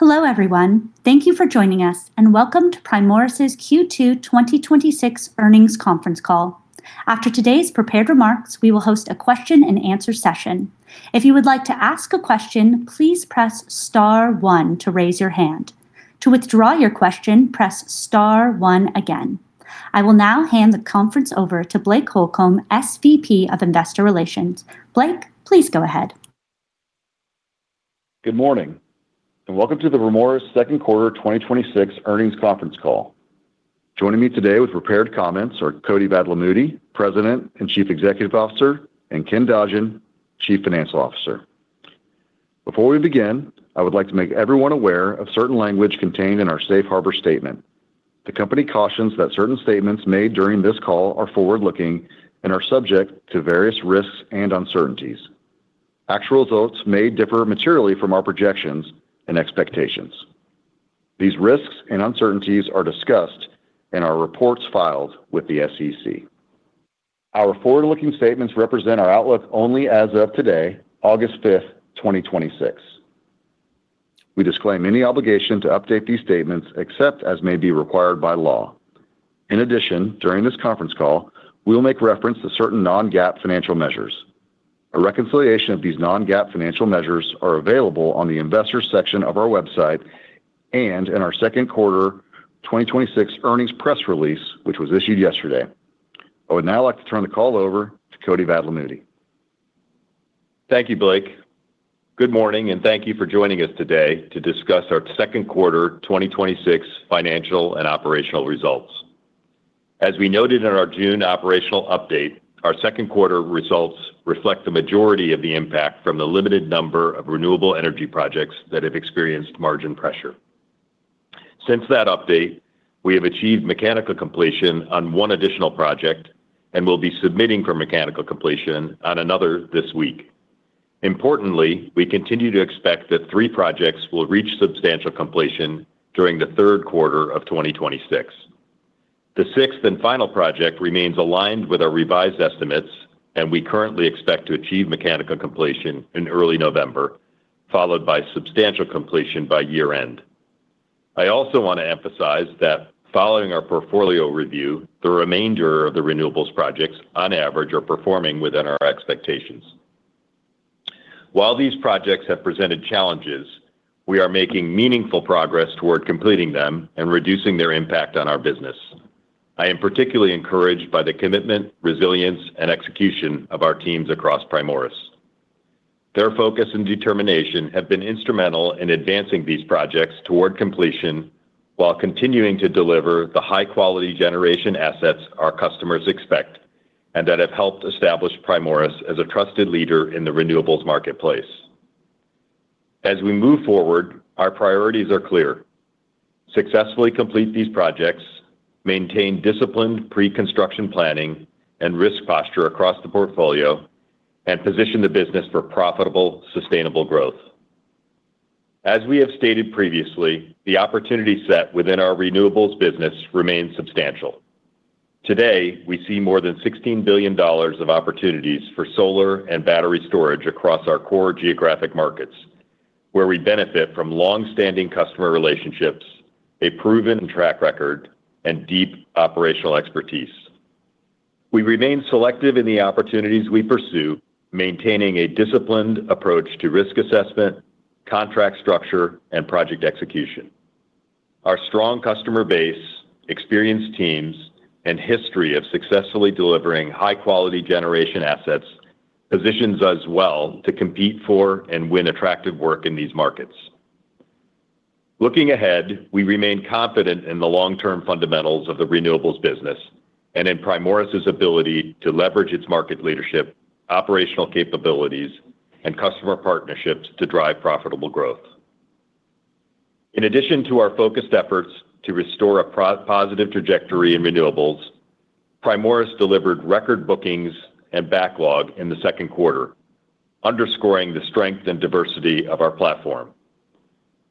Hello, everyone. Thank you for joining us, and welcome to Primoris' Q2 2026 earnings conference call. After today's prepared remarks, we will host a question and answer session. If you would like to ask a question, please press star one to raise your hand. To withdraw your question, press star one again. I will now hand the conference over to Blake Holcomb, VP of Investor Relations. Blake, please go ahead. Good morning. Welcome to the Primoris second quarter 2026 earnings conference call. Joining me today with prepared comments are Koti Vadlamudi, President and Chief Executive Officer, and Ken Dodgen, Chief Financial Officer. Before we begin, I would like to make everyone aware of certain language contained in our safe harbor statement. The company cautions that certain statements made during this call are forward-looking and are subject to various risks and uncertainties. Actual results may differ materially from our projections and expectations. These risks and uncertainties are discussed in our reports filed with the SEC. Our forward-looking statements represent our outlook only as of today, August 5th, 2026. We disclaim any obligation to update these statements except as may be required by law. In addition, during this conference call, we will make reference to certain non-GAAP financial measures. A reconciliation of these non-GAAP financial measures are available on the investors section of our website and in our second quarter 2026 earnings press release, which was issued yesterday. I would now like to turn the call over to Koti Vadlamudi. Thank you, Blake. Good morning. Thank you for joining us today to discuss our second quarter 2026 financial and operational results. As we noted in our June operational update, our second quarter results reflect the majority of the impact from the limited number of renewable energy projects that have experienced margin pressure. Since that update, we have achieved mechanical completion on one additional project and will be submitting for mechanical completion on another this week. Importantly, we continue to expect that three projects will reach substantial completion during the third quarter of 2026. The sixth and final project remains aligned with our revised estimates, and we currently expect to achieve mechanical completion in early November, followed by substantial completion by year-end. I also want to emphasize that following our portfolio review, the remainder of the renewables projects, on average, are performing within our expectations. While these projects have presented challenges, we are making meaningful progress toward completing them and reducing their impact on our business. I am particularly encouraged by the commitment, resilience, and execution of our teams across Primoris. Their focus and determination have been instrumental in advancing these projects toward completion while continuing to deliver the high-quality generation assets our customers expect and that have helped establish Primoris as a trusted leader in the renewables marketplace. As we move forward, our priorities are clear. Successfully complete these projects, maintain disciplined pre-construction planning and risk posture across the portfolio, and position the business for profitable, sustainable growth. As we have stated previously, the opportunity set within our renewables business remains substantial. Today, we see more than $16 billion of opportunities for solar and battery storage across our core geographic markets, where we benefit from longstanding customer relationships, a proven track record, and deep operational expertise. We remain selective in the opportunities we pursue, maintaining a disciplined approach to risk assessment, contract structure, and project execution. Our strong customer base, experienced teams, and history of successfully delivering high-quality generation assets positions us well to compete for and win attractive work in these markets. Looking ahead, we remain confident in the long-term fundamentals of the renewables business and in Primoris' ability to leverage its market leadership, operational capabilities, and customer partnerships to drive profitable growth. In addition to our focused efforts to restore a positive trajectory in renewables, Primoris delivered record bookings and backlog in the second quarter, underscoring the strength and diversity of our platform.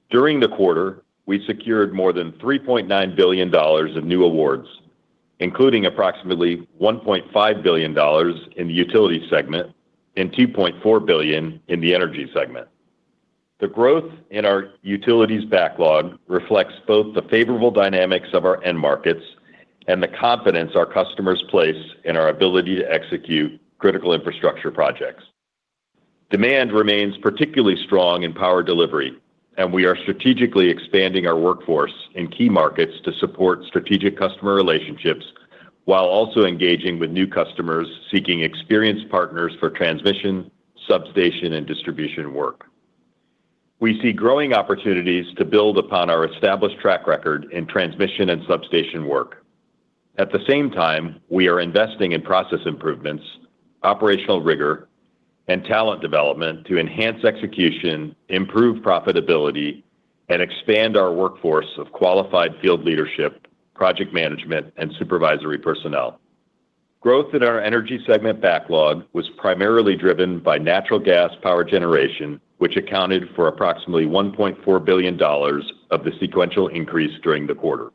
During the quarter, we secured more than $3.9 billion of new awards, including approximately $1.5 billion in the utility segment and $2.4 billion in the energy segment. The growth in our utilities backlog reflects both the favorable dynamics of our end markets and the confidence our customers place in our ability to execute critical infrastructure projects. Demand remains particularly strong in power delivery, and we are strategically expanding our workforce in key markets to support strategic customer relationships while also engaging with new customers seeking experienced partners for transmission, substation, and distribution work. We see growing opportunities to build upon our established track record in transmission and substation work. At the same time, we are investing in process improvements, operational rigor, and talent development to enhance execution, improve profitability, and expand our workforce of qualified field leadership, project management, and supervisory personnel. Growth in our energy segment backlog was primarily driven by natural gas power generation, which accounted for approximately $1.4 billion of the sequential increase during the quarter.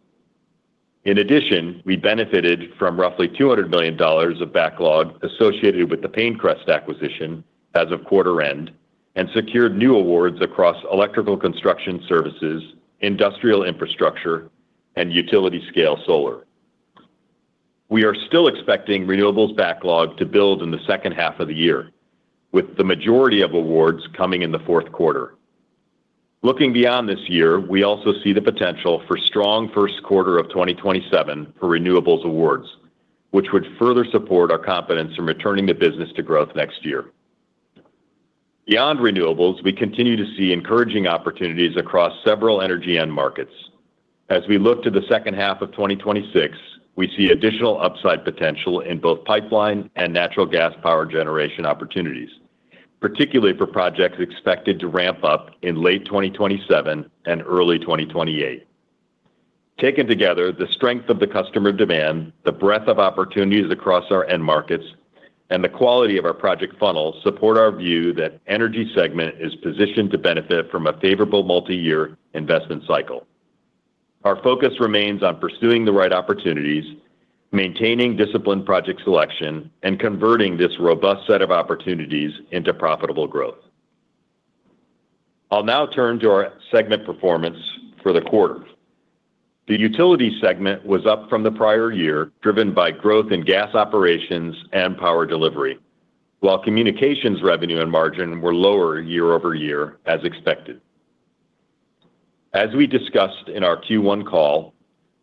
In addition, we benefited from roughly $200 million of backlog associated with the PayneCrest acquisition as of quarter end and secured new awards across electrical construction services, industrial infrastructure, and utility-scale solar. We are still expecting renewables backlog to build in the H2 of the year, with the majority of awards coming in the fourth quarter. Looking beyond this year, we also see the potential for strong first quarter of 2027 for renewables awards, which would further support our confidence in returning the business to growth next year. Beyond renewables, we continue to see encouraging opportunities across several energy end markets. As we look to the H2 of 2026, we see additional upside potential in both pipeline and natural gas power generation opportunities, particularly for projects expected to ramp up in late 2027 and early 2028. Taken together, the strength of the customer demand, the breadth of opportunities across our end markets, and the quality of our project funnel support our view that Energy Segment is positioned to benefit from a favorable multi-year investment cycle. Our focus remains on pursuing the right opportunities, maintaining disciplined project selection, and converting this robust set of opportunities into profitable growth. I'll now turn to our segment performance for the quarter. The Utility Segment was up from the prior year, driven by growth in gas operations and power delivery. While Communications revenue and margin were lower year-over-year, as expected. As we discussed in our Q1 call,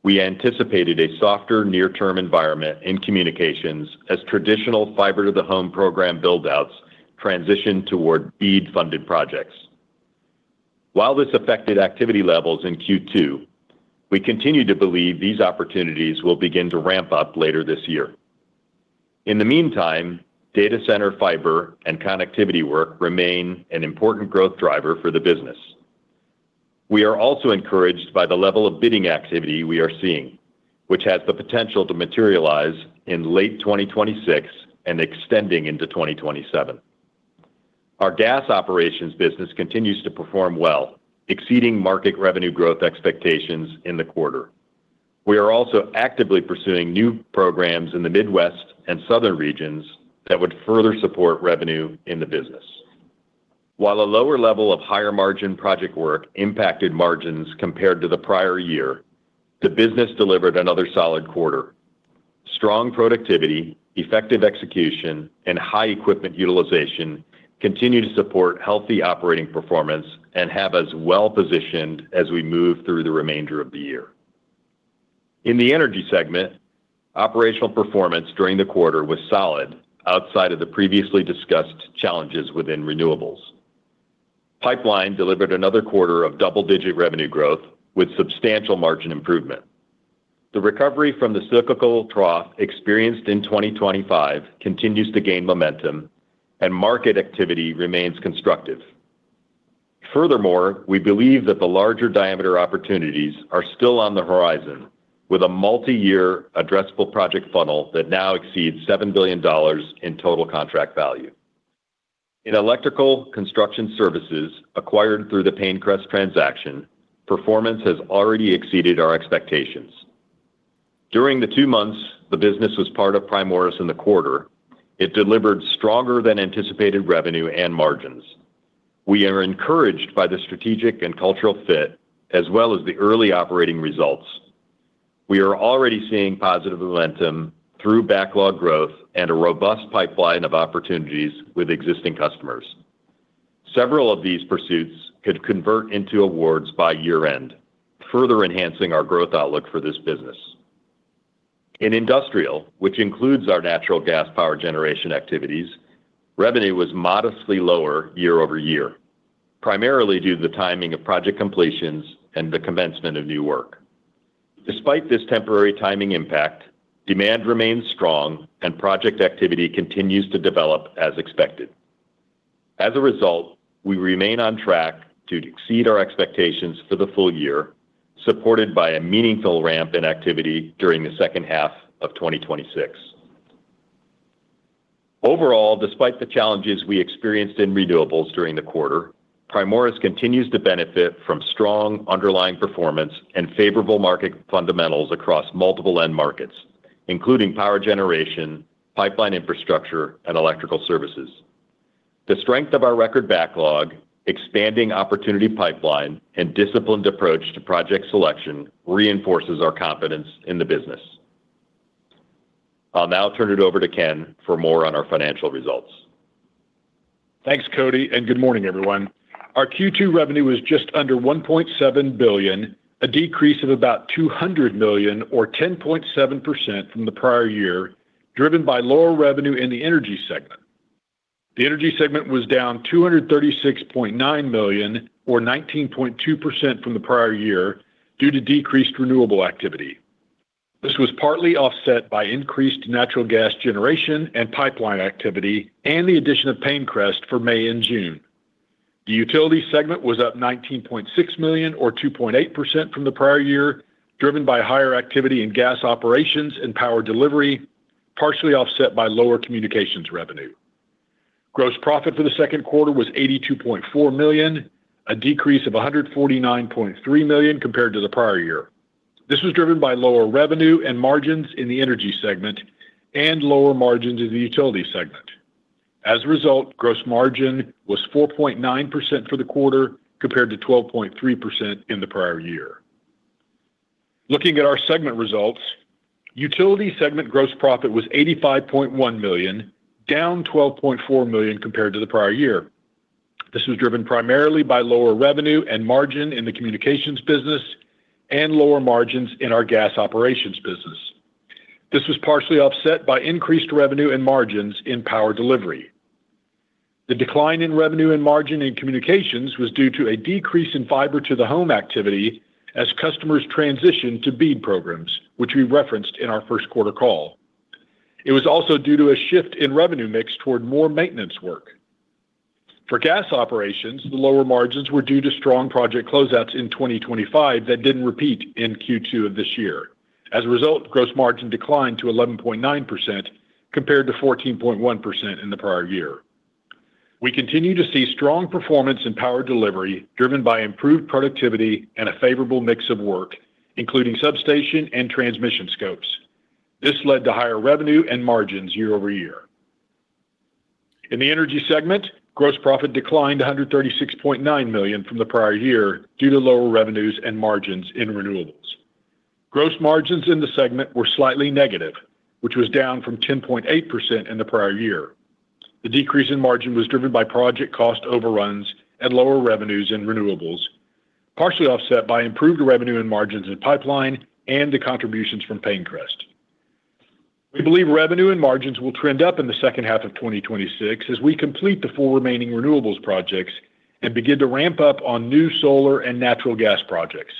we anticipated a softer near-term environment in Communications as traditional fiber-to-the-home program build-outs transition toward BEAD-funded projects. While this affected activity levels in Q2, we continue to believe these opportunities will begin to ramp up later this year. In the meantime, data center fiber and connectivity work remain an important growth driver for the business. We are also encouraged by the level of bidding activity we are seeing, which has the potential to materialize in late 2026 and extending into 2027. Our gas operations business continues to perform well, exceeding market revenue growth expectations in the quarter. We are also actively pursuing new programs in the Midwest and Southern regions that would further support revenue in the business. While a lower level of higher-margin project work impacted margins compared to the prior year, the business delivered another solid quarter. Strong productivity, effective execution, and high equipment utilization continue to support healthy operating performance and have us well-positioned as we move through the remainder of the year. In the Energy Segment, operational performance during the quarter was solid outside of the previously discussed challenges within renewables. Pipeline delivered another quarter of double-digit revenue growth with substantial margin improvement. The recovery from the cyclical trough experienced in 2025 continues to gain momentum and market activity remains constructive. Furthermore, we believe that the larger diameter opportunities are still on the horizon with a multi-year addressable project funnel that now exceeds $7 billion in total contract value. In electrical construction services acquired through the PayneCrest transaction, performance has already exceeded our expectations. During the two months the business was part of Primoris in the quarter, it delivered stronger than anticipated revenue and margins. We are encouraged by the strategic and cultural fit, as well as the early operating results. We are already seeing positive momentum through backlog growth and a robust pipeline of opportunities with existing customers. Several of these pursuits could convert into awards by year-end, further enhancing our growth outlook for this business. In Industrial, which includes our natural gas power generation activities, revenue was modestly lower year-over-year, primarily due to the timing of project completions and the commencement of new work. Despite this temporary timing impact, demand remains strong and project activity continues to develop as expected. As a result, we remain on track to exceed our expectations for the full year, supported by a meaningful ramp in activity during the H2 of 2026. Overall, despite the challenges we experienced in renewables during the quarter, Primoris continues to benefit from strong underlying performance and favorable market fundamentals across multiple end markets, including power generation, pipeline infrastructure, and electrical services. The strength of our record backlog, expanding opportunity pipeline, and disciplined approach to project selection reinforces our confidence in the business. I'll now turn it over to Ken for more on our financial results. Thanks, Koti, and good morning, everyone. Our Q2 revenue was just under $1.7 billion, a decrease of about $200 million or 10.7% from the prior year, driven by lower revenue in the energy segment. The energy segment was down $236.9 million, or 19.2% from the prior year due to decreased renewable activity. This was partly offset by increased natural gas generation and pipeline activity and the addition of PayneCrest for May and June. The utility segment was up $19.6 million, or 2.8% from the prior year, driven by higher activity in gas operations and power delivery, partially offset by lower communications revenue. Gross profit for the second quarter was $82.4 million, a decrease of $149.3 million compared to the prior year. This was driven by lower revenue and margins in the energy segment and lower margins in the utility segment. Gross margin was 4.9% for the quarter, compared to 12.3% in the prior year. Looking at our segment results, utility segment gross profit was $85.1 million, down $12.4 million compared to the prior year. This was driven primarily by lower revenue and margin in the communications business and lower margins in our gas operations business. This was partially offset by increased revenue and margins in power delivery. The decline in revenue and margin in communications was due to a decrease in fiber-to-the-home activity as customers transitioned to BEAD programs, which we referenced in our first quarter call. It was also due to a shift in revenue mix toward more maintenance work. For gas operations, the lower margins were due to strong project closeouts in 2025 that didn't repeat in Q2 of this year. Gross margin declined to 11.9%, compared to 14.1% in the prior year. We continue to see strong performance in power delivery driven by improved productivity and a favorable mix of work, including substation and transmission scopes. This led to higher revenue and margins year-over-year. In the energy segment, gross profit declined $136.9 million from the prior year due to lower revenues and margins in renewables. Gross margins in the segment were slightly negative, which was down from 10.8% in the prior year. The decrease in margin was driven by project cost overruns and lower revenues in renewables, partially offset by improved revenue and margins in pipeline and the contributions from PayneCrest. We believe revenue and margins will trend up in the H2 of 2026 as we complete the four remaining renewables projects and begin to ramp up on new solar and natural gas projects.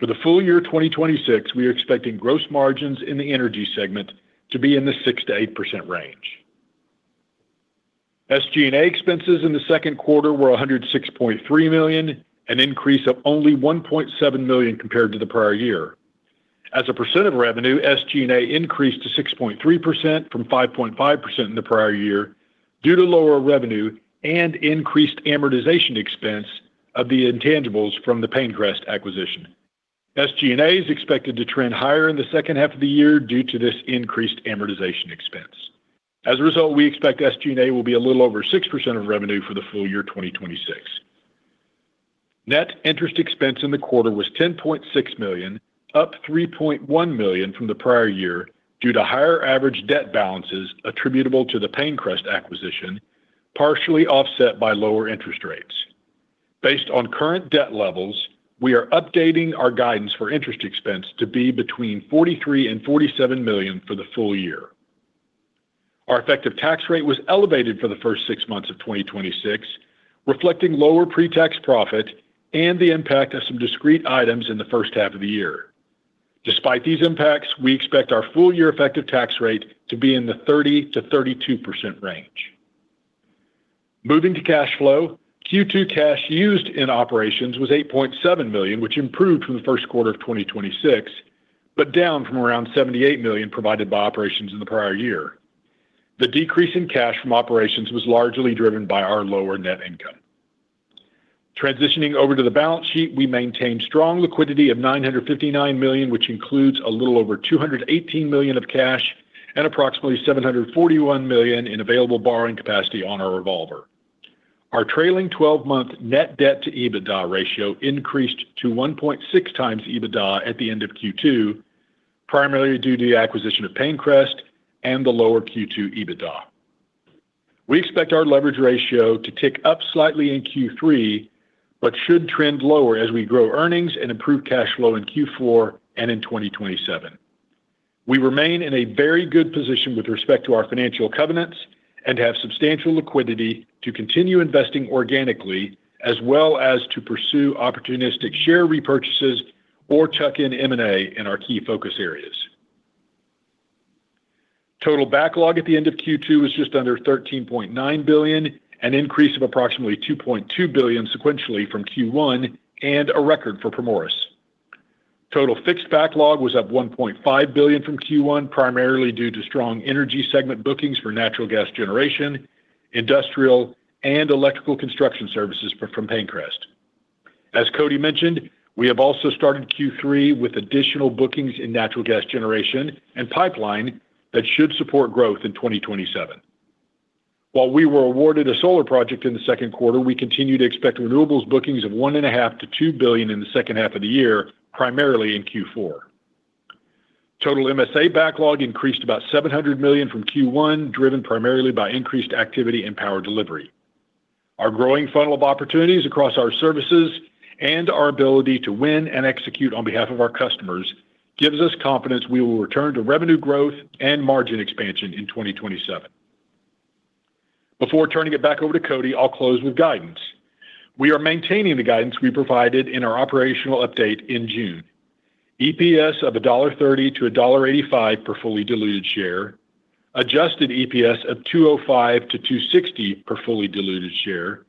For the full year 2026, we are expecting gross margins in the energy segment to be in the 6%-8% range. SG&A expenses in the second quarter were $106.3 million, an increase of only $1.7 million compared to the prior year. As a percent of revenue, SG&A increased to 6.3% from 5.5% in the prior year due to lower revenue and increased amortization expense of the intangibles from the PayneCrest acquisition. SG&A is expected to trend higher in the H2 of the year due to this increased amortization expense. As a result, we expect SG&A will be a little over 6% of revenue for the full year 2026. Net interest expense in the quarter was $10.6 million, up $3.1 million from the prior year, due to higher average debt balances attributable to the PayneCrest acquisition, partially offset by lower interest rates. Based on current debt levels, we are updating our guidance for interest expense to be between $43 million and $47 million for the full year. Our effective tax rate was elevated for the first six months of 2026, reflecting lower pre-tax profit and the impact of some discrete items in the first half of the year. Despite these impacts, we expect our full-year effective tax rate to be in the 30%-32% range. Moving to cash flow, Q2 cash used in operations was $8.7 million, which improved from the first quarter of 2026, but down from around $78 million provided by operations in the prior year. The decrease in cash from operations was largely driven by our lower net income. Transitioning over to the balance sheet, we maintained strong liquidity of $959 million, which includes a little over $218 million of cash and approximately $741 million in available borrowing capacity on our revolver. Our trailing 12-month net debt to EBITDA ratio increased to 1.6x EBITDA at the end of Q2, primarily due to the acquisition of PayneCrest and the lower Q2 EBITDA. We expect our leverage ratio to tick up slightly in Q3, but should trend lower as we grow earnings and improve cash flow in Q4 and in 2027. We remain in a very good position with respect to our financial covenants and have substantial liquidity to continue investing organically as well as to pursue opportunistic share repurchases or tuck-in M&A in our key focus areas. Total backlog at the end of Q2 was just under $13.9 billion, an increase of approximately $2.2 billion sequentially from Q1 and a record for Primoris. Total fixed backlog was up $1.5 billion from Q1, primarily due to strong energy segment bookings for natural gas generation, industrial and electrical construction services from PayneCrest. As Koti mentioned, we have also started Q3 with additional bookings in natural gas generation and pipeline that should support growth in 2027. While we were awarded a solar project in the second quarter, we continue to expect renewables bookings of $1.5 billion-$2 billion in the H2 of the year, primarily in Q4. Total MSA backlog increased about $700 million from Q1, driven primarily by increased activity in power delivery. Our growing funnel of opportunities across our services and our ability to win and execute on behalf of our customers gives us confidence we will return to revenue growth and margin expansion in 2027. Before turning it back over to Koti, I'll close with guidance. We are maintaining the guidance we provided in our operational update in June. EPS of $1.30-$1.85 per fully diluted share, adjusted EPS of $2.05- $2.60 per fully diluted share,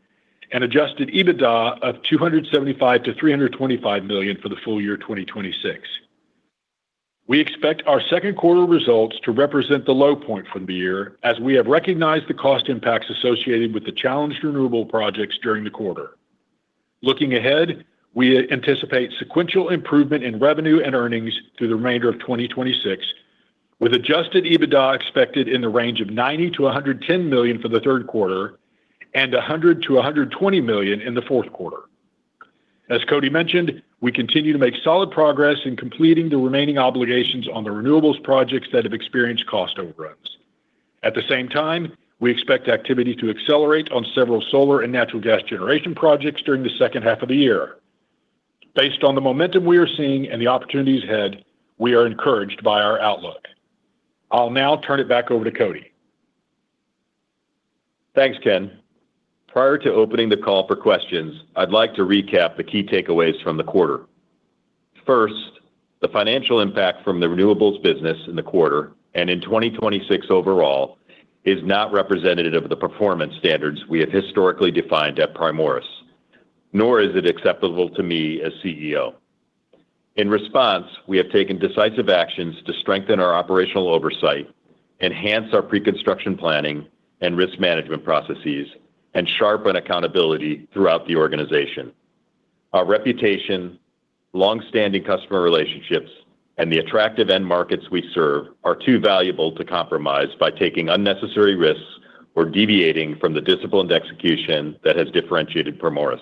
and adjusted EBITDA of $275-$325 million for the full year 2026. We expect our second quarter results to represent the low point for the year, as we have recognized the cost impacts associated with the challenged renewable projects during the quarter. Looking ahead, we anticipate sequential improvement in revenue and earnings through the remainder of 2026, with adjusted EBITDA expected in the range of $90-$110 million for the third quarter and $100- $120 million in the fourth quarter. As Koti mentioned, we continue to make solid progress in completing the remaining obligations on the renewables projects that have experienced cost overruns. At the same time, we expect activity to accelerate on several solar and natural gas generation projects during the H2 of the year. Based on the momentum we are seeing and the opportunities ahead, we are encouraged by our outlook. I'll now turn it back over to Koti. Thanks, Ken. Prior to opening the call for questions, I'd like to recap the key takeaways from the quarter. First, the financial impact from the renewables business in the quarter, and in 2026 overall, is not representative of the performance standards we have historically defined at Primoris, nor is it acceptable to me as CEO. In response, we have taken decisive actions to strengthen our operational oversight, enhance our pre-construction planning and risk management processes, and sharpen accountability throughout the organization. Our reputation, long-standing customer relationships, and the attractive end markets we serve are too valuable to compromise by taking unnecessary risks or deviating from the disciplined execution that has differentiated Primoris.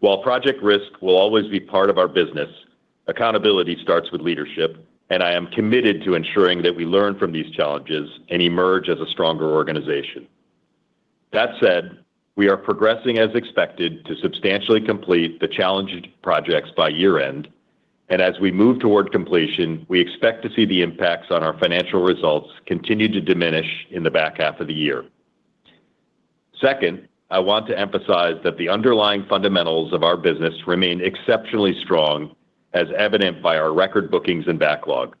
While project risk will always be part of our business, accountability starts with leadership, and I am committed to ensuring that we learn from these challenges and emerge as a stronger organization. That said, we are progressing as expected to substantially complete the challenged projects by year-end. As we move toward completion, we expect to see the impacts on our financial results continue to diminish in the back half of the year. Second, I want to emphasize that the underlying fundamentals of our business remain exceptionally strong, as evident by our record bookings and backlog.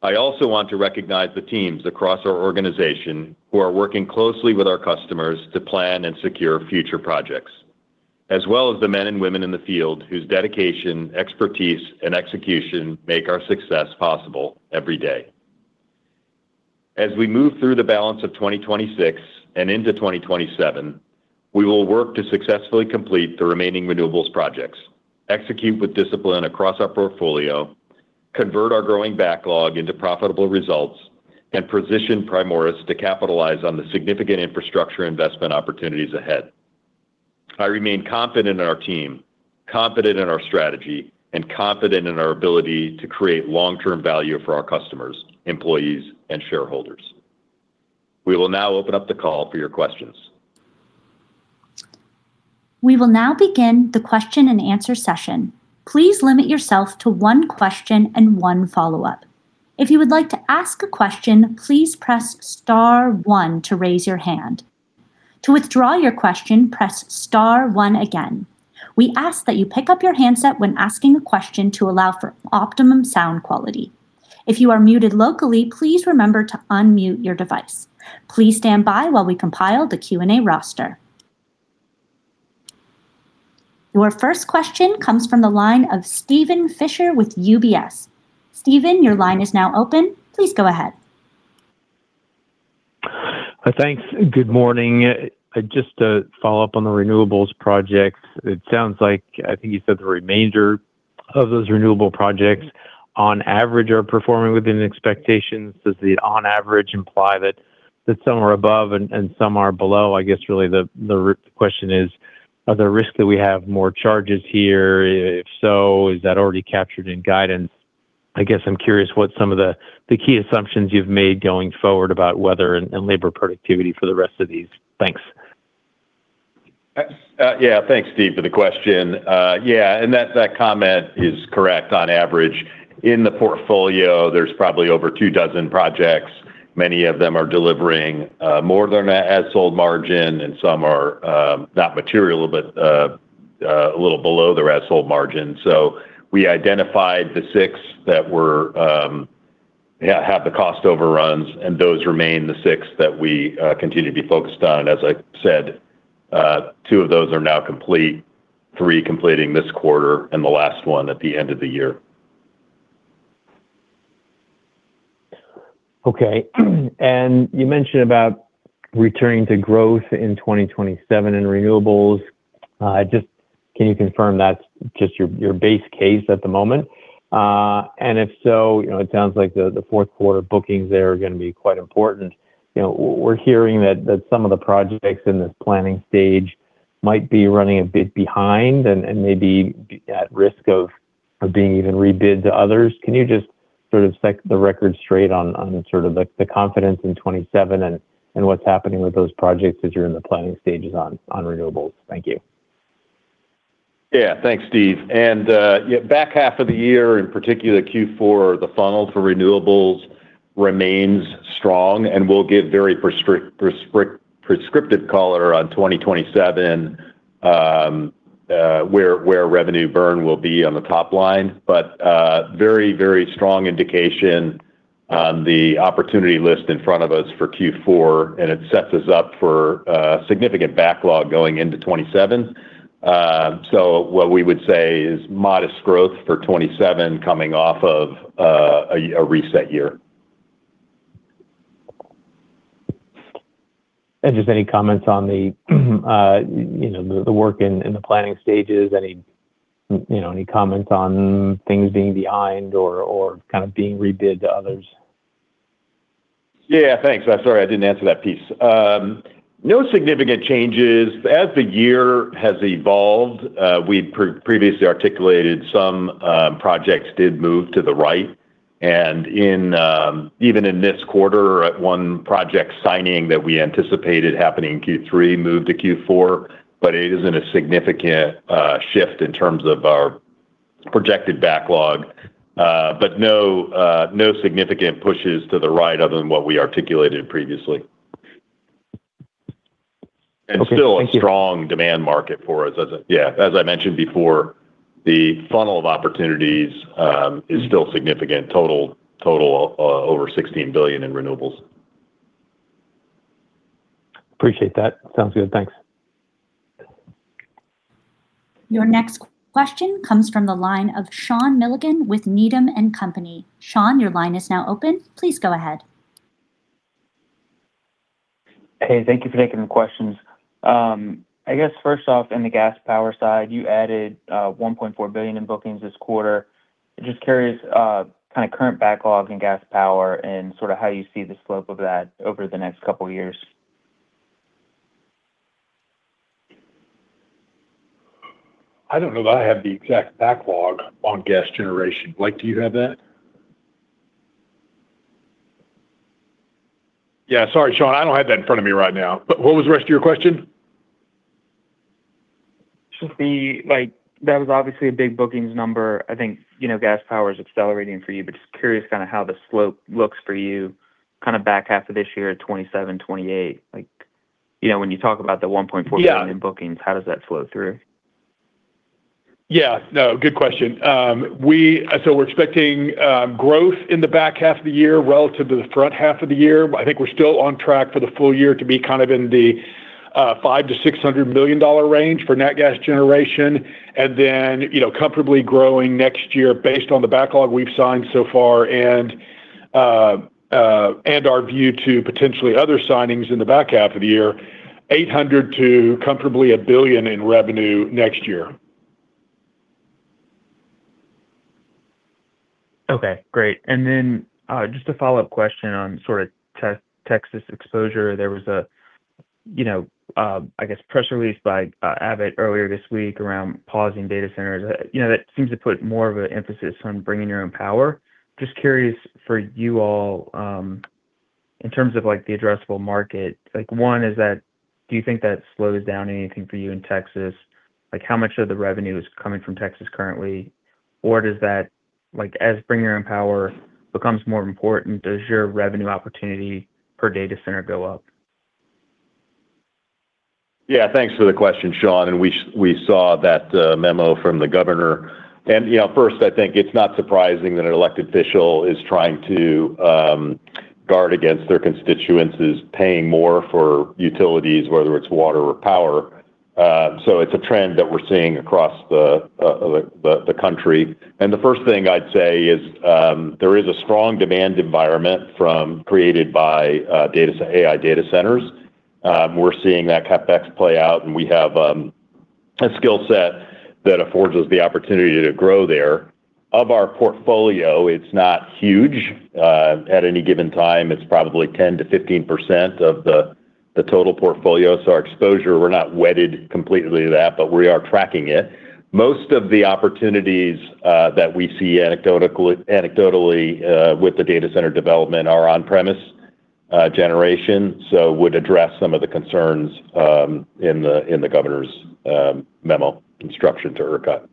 I also want to recognize the teams across our organization who are working closely with our customers to plan and secure future projects, as well as the men and women in the field whose dedication, expertise, and execution make our success possible every day. As we move through the balance of 2026 and into 2027, we will work to successfully complete the remaining renewables projects, execute with discipline across our portfolio, convert our growing backlog into profitable results, and position Primoris to capitalize on the significant infrastructure investment opportunities ahead. I remain confident in our team, confident in our strategy, and confident in our ability to create long-term value for our customers, employees, and shareholders. We will now open up the call for your questions. We will now begin the question and answer session. Please limit yourself to one question and one follow-up. If you would like to ask a question, please press star one to raise your hand. To withdraw your question, press star one again. We ask that you pick up your handset when asking a question to allow for optimum sound quality. If you are muted locally, please remember to unmute your device. Please stand by while we compile the Q&A roster. Your first question comes from the line of Steven Fisher with UBS. Steven, your line is now open. Please go ahead. Thanks. Good morning. Just to follow up on the renewables projects. It sounds like, I think you said the remainder of those renewable projects, on average, are performing within expectations. Does the on average imply that some are above and some are below? I guess really the root question is, are there risks that we have more charges here? If so, is that already captured in guidance? I guess I'm curious what some of the key assumptions you've made going forward about weather and labor productivity for the rest of these. Thanks. Yeah. Thanks, Steve, for the question. Yeah, that comment is correct. On average, in the portfolio, there's probably over two dozen projects. Many of them are delivering more than an as sold margin, and some are not material, but a little below their as sold margin. We identified the six that had the cost overruns, and those remain the six that we continue to be focused on. As I said, two of those are now complete, three completing this quarter, and the last one at the end of the year. You mentioned about returning to growth in 2027 in renewables. Can you confirm that's just your base case at the moment? If so, it sounds like the fourth quarter bookings there are going to be quite important. We're hearing that some of the projects in this planning stage might be running a bit behind and may be at risk of being even rebid to others. Can you just sort of set the record straight on the confidence in 2027 and what's happening with those projects as you're in the planning stages on renewables? Thank you. Yeah. Thanks, Steve. Back half of the year, in particular Q4, the funnel for renewables remains strong, we'll give very prescriptive color on 2027, where revenue burn will be on the top line. Very strong indication On the opportunity list in front of us for Q4, it sets us up for significant backlog going into 2027. What we would say is modest growth for 2027 coming off of a reset year. Just any comments on the work in the planning stages? Any comments on things being behind or being rebid to others? Yeah. Thanks. I'm sorry I didn't answer that piece. No significant changes. As the year has evolved, we'd previously articulated some projects did move to the right, even in this quarter, one project signing that we anticipated happening in Q3 moved to Q4. It isn't a significant shift in terms of our projected backlog. No significant pushes to the right other than what we articulated previously. Okay. Thank you. Still a strong demand market for us. As I mentioned before, the funnel of opportunities is still significant, total over $16 billion in renewables. Appreciate that. Sounds good. Thanks. Your next question comes from the line of Sean Milligan with Needham & Company. Sean, your line is now open. Please go ahead. Hey, thank you for taking the questions. I guess first off, in the gas power side, you added $1.4 billion in bookings this quarter. Just curious, kind of current backlog in gas power and sort of how you see the slope of that over the next couple of years. I don't know that I have the exact backlog on gas generation. Blake, do you have that? Yeah. Sorry, Sean. I don't have that in front of me right now. What was the rest of your question? Just that was obviously a big bookings number. I think gas power is accelerating for you, but just curious kind of how the slope looks for you kind of back half of this year at 2027, 2028. When you talk about the $1.4 billion. Yeah. In bookings, how does that flow through? Yeah. No, good question. We're expecting growth in the back half of the year relative to the front half of the year. I think we're still on track for the full year to be kind of in the $500 million-$600 million range for nat gas generation. Comfortably growing next year based on the backlog we've signed so far and our view to potentially other signings in the back half of the year, $800 million to comfortably $1 billion in revenue next year. Okay. Great. Just a follow-up question on sort of Texas exposure. There was a, I guess, press release by Greg earlier this week around pausing data centers. That seems to put more of an emphasis on bringing your own power. Just curious for you all, in terms of the addressable market, One, do you think that slows down anything for you in Texas? How much of the revenue is coming from Texas currently? Or as bring your own power becomes more important, does your revenue opportunity per data center go up? Yeah. Thanks for the question, Sean. We saw that memo from the governor. First, I think it's not surprising that an elected official is trying to guard against their constituencies paying more for utilities, whether it's water or power. It's a trend that we're seeing across the country. The first thing I'd say is there is a strong demand environment created by AI data centers. We're seeing that CapEx play out, and we have a skill set that affords us the opportunity to grow there. Of our portfolio, it's not huge. At any given time, it's probably 10%-15% of the total portfolio. Our exposure, we're not wedded completely to that, but we are tracking it. Most of the opportunities that we see anecdotally with the data center development are on-premise generation, so would address some of the concerns in the governor's memo instruction to ERCOT.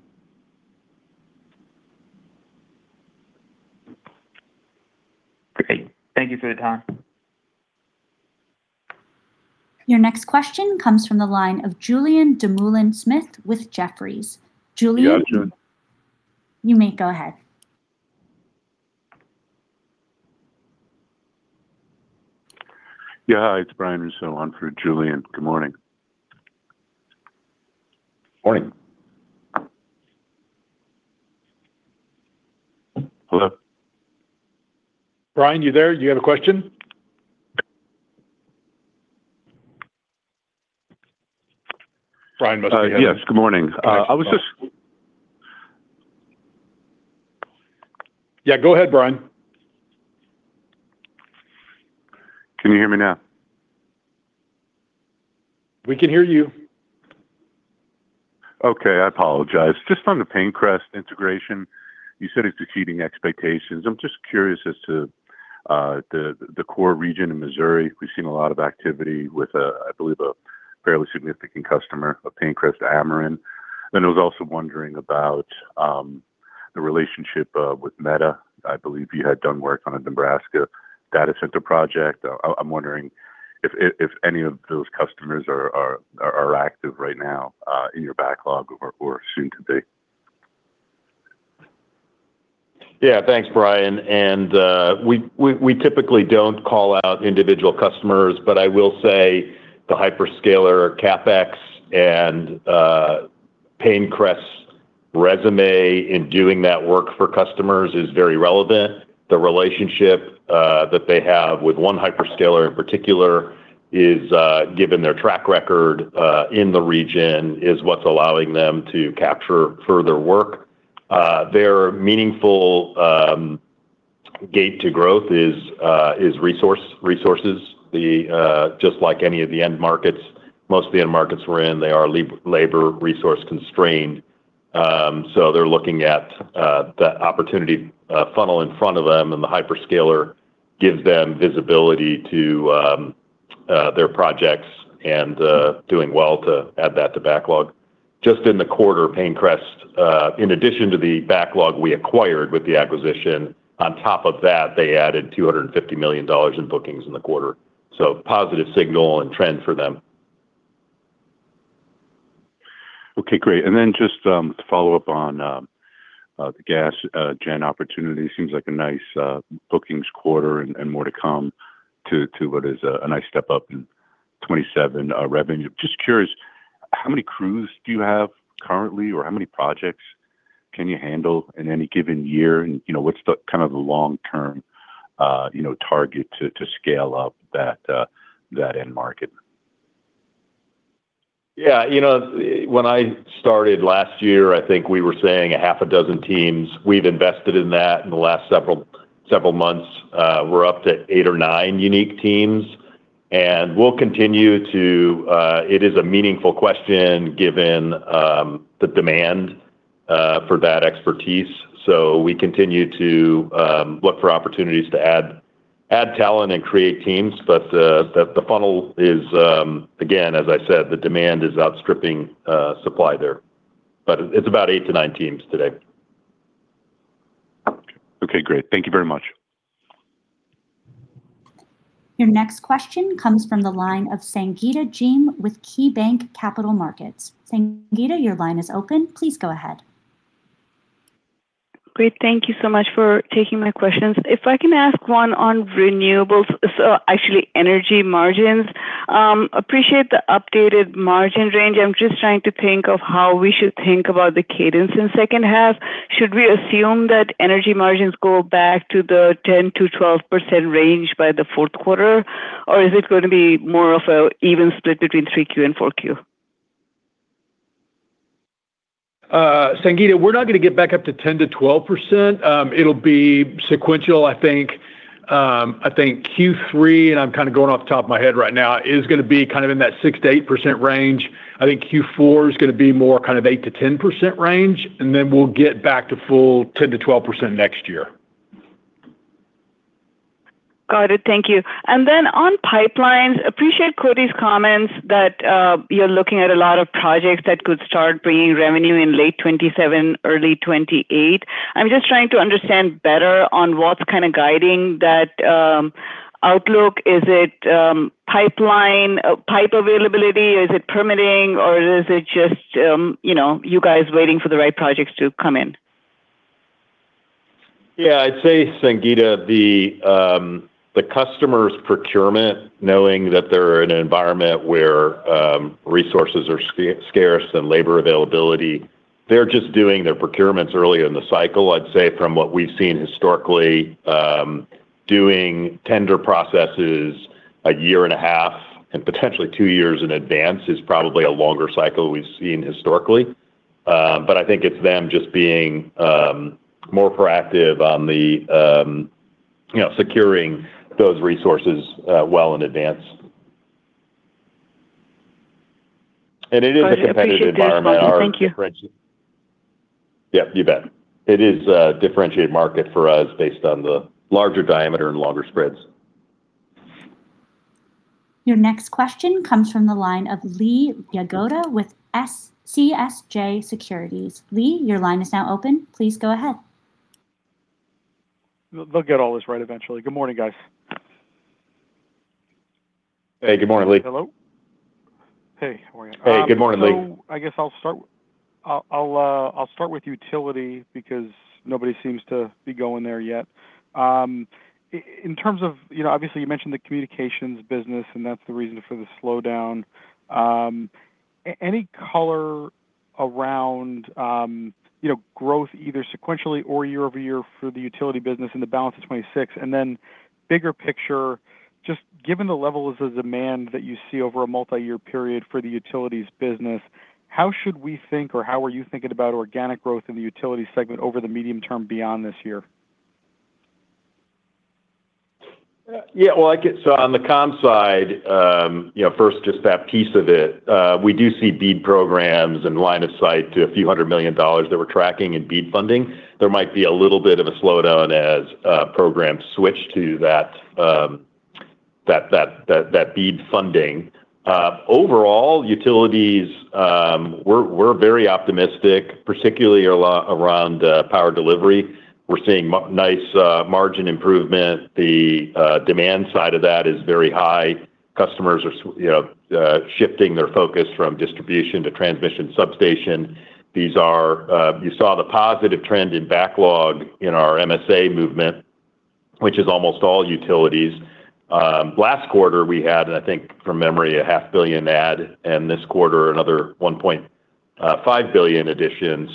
Great. Thank you for the time. Your next question comes from the line of Julien Dumoulin-Smith with Jefferies. Julien? Yeah. Julien. You may go ahead. Yeah. Hi, it's Brian Russo on for Julien. Good morning. Morning. Hello? Brian, you there? Do you have a question? Brian must be. Yes. Good morning. Good. I was just- Yeah, go ahead, Brian. Can you hear me now? We can hear you. Okay. I apologize. Just on the PayneCrest integration, you said it's exceeding expectations. I'm just curious as to the core region in Missouri. We've seen a lot of activity with, I believe, a fairly significant customer of PayneCrest, Ameren. I was also wondering about the relationship with Meta. I believe you had done work on a Nebraska data center project. I'm wondering if any of those customers are active right now in your backlog or soon to be. Yeah. Thanks, Brian. We typically don't call out individual customers, but I will say the hyperscaler CapEx and PayneCrest's resume in doing that work for customers is very relevant. The relationship that they have with one hyperscaler in particular, given their track record in the region, is what's allowing them to capture further work. Their meaningful gate to growth is resources. Just like any of the end markets, most of the end markets we're in, they are labor resource-constrained. They're looking at the opportunity funnel in front of them, and the hyperscaler gives them visibility to their projects and doing well to add that to backlog. Just in the quarter, PayneCrest, in addition to the backlog we acquired with the acquisition, on top of that, they added $250 million in bookings in the quarter. A positive signal and trend for them. Okay, great. Just to follow up on the gas gen opportunity, seems like a nice bookings quarter and more to come to what is a nice step up in 2027 revenue. Just curious, how many crews do you have currently, or how many projects can you handle in any given year? What's the long-term target to scale up that end market? Yeah. When I started last year, I think we were saying a half a dozen teams. We've invested in that in the last several months. We're up to eight or nine unique teams, we'll continue to. It is a meaningful question given the demand for that expertise. We continue to look for opportunities to add talent and create teams. The funnel is, again, as I said, the demand is outstripping supply there. It's about eight to nine teams today. Okay, great. Thank you very much. Your next question comes from the line of Sangita Jain with KeyBanc Capital Markets. Sangita, your line is open. Please go ahead. Great. Thank you so much for taking my questions. If I can ask one on renewables, actually energy margins. Appreciate the updated margin range. I'm just trying to think of how we should think about the cadence in the H2. Should we assume that energy margins go back to the 10%-12% range by the fourth quarter, or is it going to be more of an even split between 3Q and 4Q? Sangita, we're not going to get back up to 10%-12%. It'll be sequential, I think. I think Q3, and I'm kind of going off the top of my head right now, is going to be kind of in that 6%-8% range. I think Q4 is going to be more kind of 8%-10% range, and then we'll get back to full 10%-12% next year. Got it. Thank you. Then on pipelines, appreciate Koti's comments that you're looking at a lot of projects that could start bringing revenue in late 2027, early 2028. I'm just trying to understand better on what's kind of guiding that outlook. Is it pipeline pipe availability? Is it permitting, or is it just you guys waiting for the right projects to come in? Yeah, I'd say, Sangita, the customer's procurement, knowing that they're in an environment where resources are scarce and labor availability, they're just doing their procurements early in the cycle. I'd say from what we've seen historically, doing tender processes a year and a half and potentially two years in advance is probably a longer cycle we've seen historically. I think it's them just being more proactive on securing those resources well in advance. It is a competitive environment. Got it. Appreciate the insight. Thank you. Yep, you bet. It is a differentiated market for us based on the larger diameter and longer spreads. Your next question comes from the line of Lee Jagoda with CJS Securities. Lee, your line is now open. Please go ahead. They'll get all this right eventually. Good morning, guys. Hey, good morning, Lee. Hello? Hey, how are you? Hey, good morning, Lee. I guess I'll start with utility because nobody seems to be going there yet. In terms of, obviously you mentioned the communications business, and that's the reason for the slowdown. Any color around growth, either sequentially or year-over-year for the utility business and the balance of 2026? Bigger picture, just given the levels of demand that you see over a multi-year period for the utilities business, how should we think or how are you thinking about organic growth in the utility segment over the medium term beyond this year? Yeah. On the comms side, first just that piece of it, we do see BEAD programs and line of sight to few hundred million dollars that we're tracking in BEAD funding. There might be a little bit of a slowdown as programs switch to that BEAD funding. Overall, utilities, we're very optimistic, particularly around power delivery. We're seeing nice margin improvement. The demand side of that is very high. Customers are shifting their focus from distribution to transmission substation. You saw the positive trend in backlog in our MSA movement, which is almost all utilities. Last quarter, we had, and I think from memory, a half billion dollar add, and this quarter another $1.5 billion addition.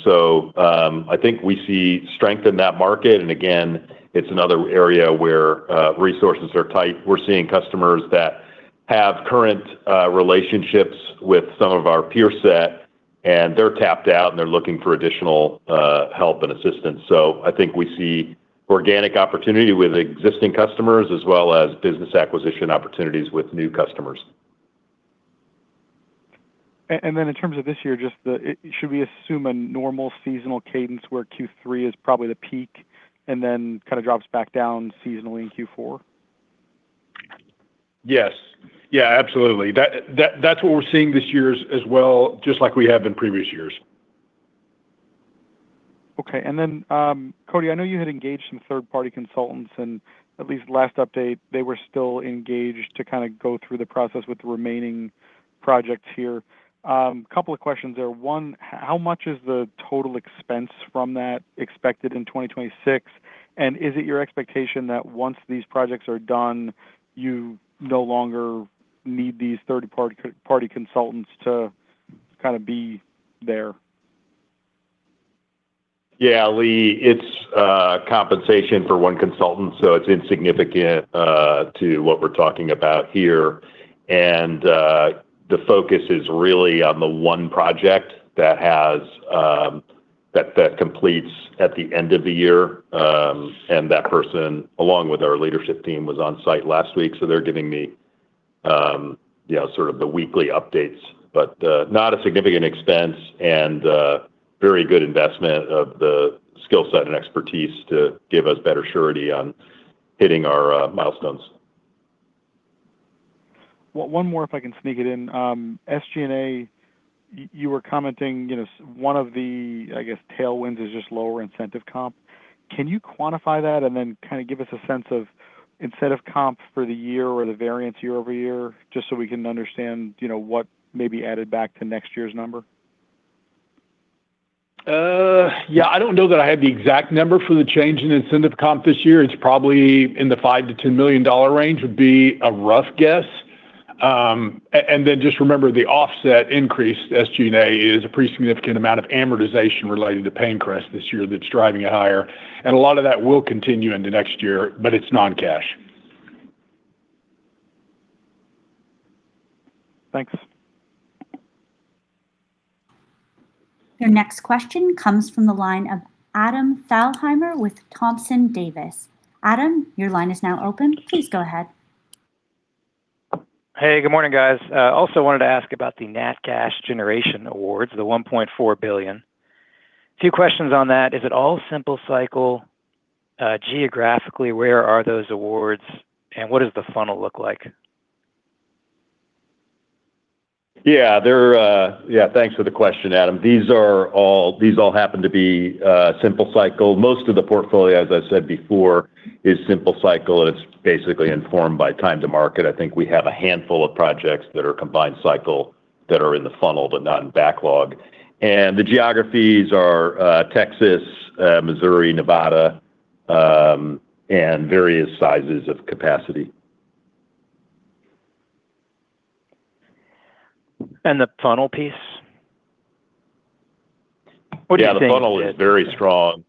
I think we see strength in that market, and again, it's another area where resources are tight. We're seeing customers that have current relationships with some of our peer set, and they're tapped out, and they're looking for additional help and assistance. I think we see organic opportunity with existing customers as well as business acquisition opportunities with new customers. In terms of this year, should we assume a normal seasonal cadence where Q3 is probably the peak and then kind of drops back down seasonally in Q4? Yes. Absolutely. That's what we're seeing this year as well, just like we have in previous years. Okay. Koti, I know you had engaged some third-party consultants, and at least last update, they were still engaged to kind of go through the process with the remaining projects here. Couple of questions there. One, how much is the total expense from that expected in 2026? Is it your expectation that once these projects are done, you no longer need these third-party consultants to kind of be there? Lee, it's compensation for one consultant, so it's insignificant to what we're talking about here. The focus is really on the one project that completes at the end of the year. That person, along with our leadership team, was on site last week, so they're giving me sort of the weekly updates. Not a significant expense and very good investment of the skill set and expertise to give us better surety on hitting our milestones. One more if I can sneak it in. SG&A, you were commenting, one of the, I guess, tailwinds is just lower incentive comp. Can you quantify that and then kind of give us a sense of incentive comps for the year or the variance year-over-year, just so we can understand what may be added back to next year's number? Yeah. I don't know that I have the exact number for the change in incentive comp this year. It's probably in the $5 million-$10 million range, would be a rough guess. Just remember the offset increase, SG&A, is a pretty significant amount of amortization related to PayneCrest this year that's driving it higher. A lot of that will continue into next year, but it's non-cash. Thanks. Your next question comes from the line of Adam Thalhimer with Thompson Davis. Adam, your line is now open. Please go ahead. Hey, good morning, guys. Also wanted to ask about the Nat Gas Generation Awards, the $1.4 billion. Two questions on that. Is it all simple cycle? Geographically, where are those awards? What does the funnel look like? Yeah. Thanks for the question, Adam. These all happen to be simple cycle. Most of the portfolio, as I said before, is simple cycle, and it's basically informed by time to market. I think we have a handful of projects that are combined cycle that are in the funnel, but not in backlog. The geographies are Texas, Missouri, Nevada, and various sizes of capacity. The funnel piece? What do you think- Yeah, the funnel is very strong.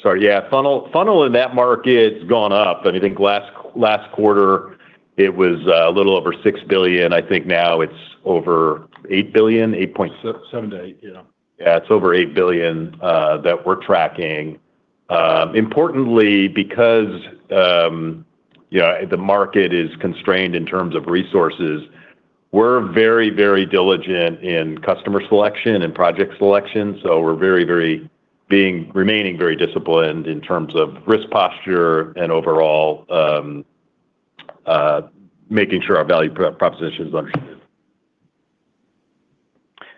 Sorry. Yeah. Funnel in that market's gone up. I think last quarter, it was a little over $6 billion. I think now it's over $8 billion. 8 point- $7 billion-$8 billion. Yeah. It's over $8 billion that we're tracking. Importantly, because the market is constrained in terms of resources, we're very diligent in customer selection and project selection. We're remaining very disciplined in terms of risk posture and overall making sure our value proposition is understood.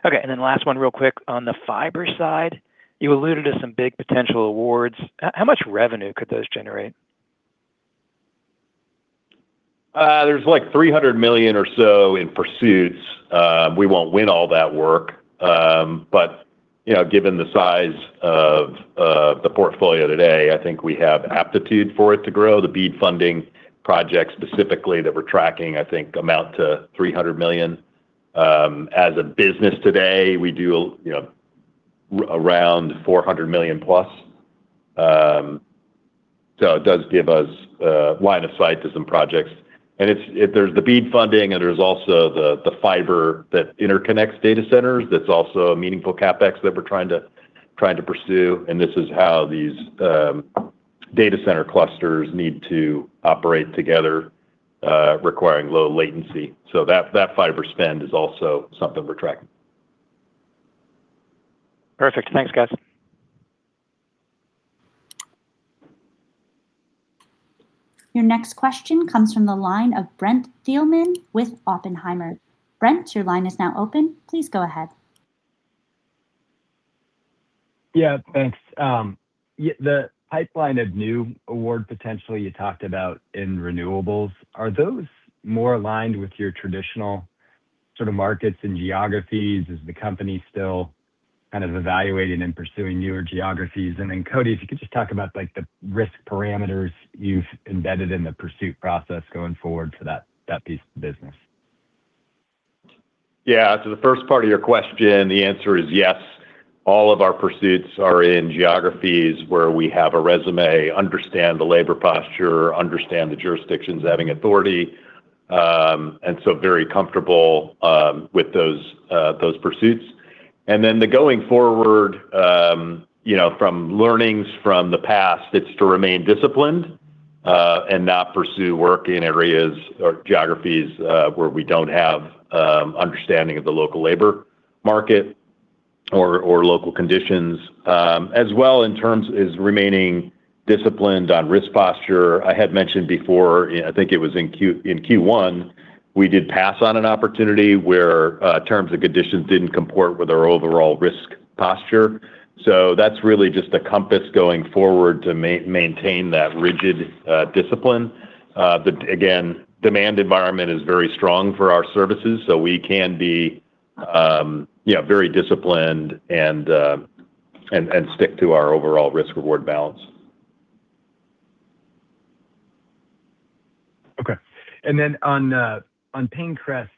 Okay, last one real quick. On the fiber side, you alluded to some big potential awards. How much revenue could those generate? There's like $300 million or so in pursuits. We won't win all that work. Given the size of the portfolio today, I think we have aptitude for it to grow. The BEAD Funding Project specifically that we're tracking, I think amount to $300 million. As a business today, we do around $400 million+. It does give us a line of sight to some projects. There's the BEAD funding and there's also the fiber that interconnects data centers that's also a meaningful CapEx that we're trying to pursue, this is how these data center clusters need to operate together, requiring low latency. That fiber spend is also something we're tracking. Perfect. Thanks, guys. Your next question comes from the line of Brent Thielman with Oppenheimer. Brent, your line is now open. Please go ahead. Yeah, thanks. The pipeline of new award potential you talked about in renewables, are those more aligned with your traditional sort of markets and geographies? Is the company still kind of evaluating and pursuing newer geographies? Koti, if you could just talk about the risk parameters you've embedded in the pursuit process going forward for that piece of the business. Yeah. To the first part of your question, the answer is yes. All of our pursuits are in geographies where we have a resume, understand the labor posture, understand the jurisdictions having authority, and so very comfortable with those pursuits. The going forward, from learnings from the past, it's to remain disciplined, and not pursue work in areas or geographies, where we don't have understanding of the local labor market or local conditions. As well in terms is remaining disciplined on risk posture. I had mentioned before, I think it was in Q1, we did pass on an opportunity where terms and conditions didn't comport with our overall risk posture. That's really just a compass going forward to maintain that rigid discipline. Again, demand environment is very strong for our services, so we can be very disciplined and stick to our overall risk-reward balance. Okay. On PayneCrest,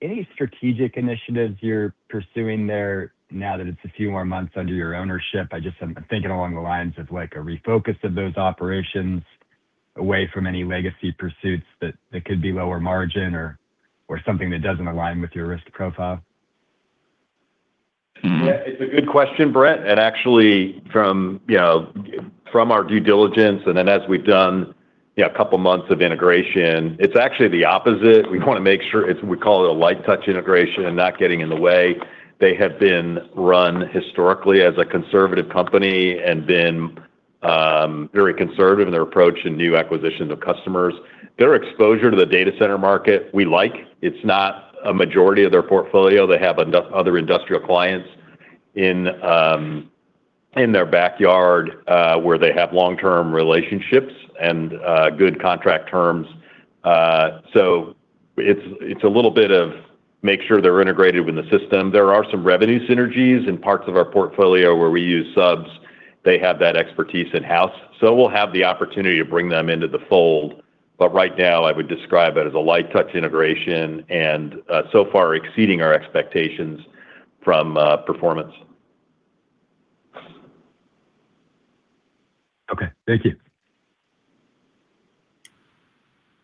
any strategic initiatives you're pursuing there now that it's a few more months under your ownership? I'm thinking along the lines of a refocus of those operations away from any legacy pursuits that could be lower margin or something that doesn't align with your risk profile. Yeah, it's a good question, Brent, and actually from our due diligence and then as we've done a couple of months of integration, it's actually the opposite. We call it a light touch integration and not getting in the way. They have been run historically as a conservative company and been very conservative in their approach in new acquisitions of customers. Their exposure to the data center market, we like. It's not a majority of their portfolio. They have other industrial clients in their backyard, where they have long-term relationships and good contract terms. It's a little bit of make sure they're integrated with the system. There are some revenue synergies in parts of our portfolio where we use subs. They have that expertise in-house, so we'll have the opportunity to bring them into the fold. Right now, I would describe it as a light touch integration and so far exceeding our expectations from performance. Okay. Thank you.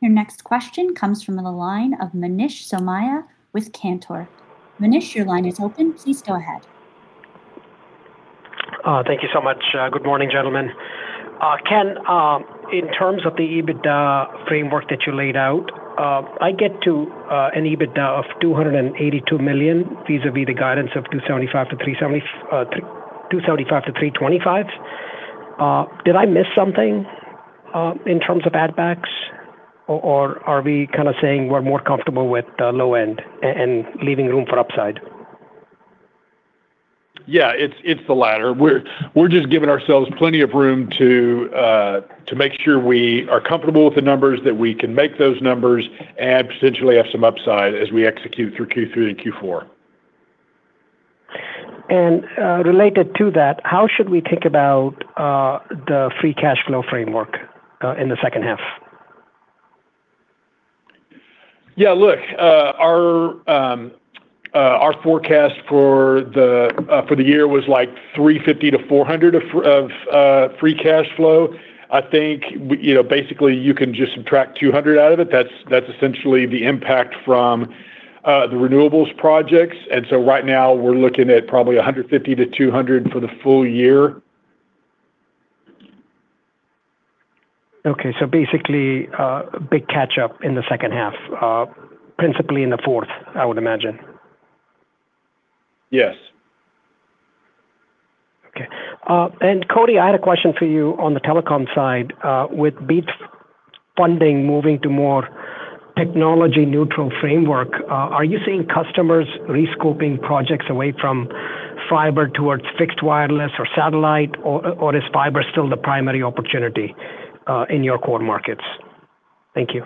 Your next question comes from the line of Manish Somaiya with Cantor. Manish, your line is open. Please go ahead. Thank you so much. Good morning, gentlemen. Ken, in terms of the EBITDA framework that you laid out, I get to an EBITDA of $282 million, vis-à-vis the guidance of $275 million-$325 million. Did I miss something, in terms of add backs? Are we kind of saying we're more comfortable with the low end and leaving room for upside? Yeah, it's the latter. We're just giving ourselves plenty of room to make sure we are comfortable with the numbers, that we can make those numbers, and potentially have some upside as we execute through Q3 and Q4. Related to that, how should we think about the free cash flow framework in the H2? Yeah, look, our forecast for the year was like $350 million-$400 million of free cash flow. I think basically you can just subtract $200 million out of it. That's essentially the impact from the renewables projects. Right now we're looking at probably $150 million-$200 million for the full year. Basically, big catch-up in the H2. Principally in the fourth, I would imagine. Yes. Koti, I had a question for you on the telecom side. With BEAD funding moving to more technology neutral framework, are you seeing customers re-scoping projects away from fiber towards fixed wireless or satellite, or is fiber still the primary opportunity in your core markets? Thank you.